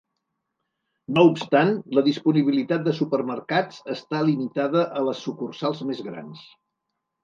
No obstant, la disponibilitat de supermercats està limitada a les sucursals més grans.